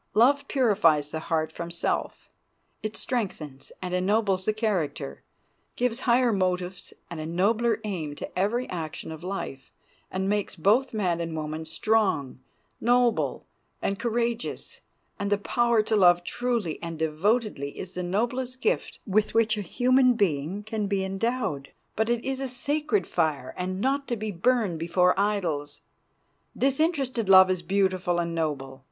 Love purifies the heart from self; it strengthens and ennobles the character, gives higher motives and a nobler aim to every action of life, and makes both man and woman strong, noble, and courageous; and the power to love truly and devotedly is the noblest gift with which a human being can be endowed, but it is a sacred fire and not to be burned before idols. Disinterested love is beautiful and noble.